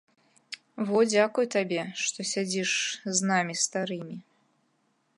Во, дзякуй табе, што сядзіш з намі старымі.